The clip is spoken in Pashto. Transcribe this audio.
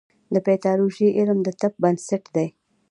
د پیتالوژي علم د طب بنسټ دی.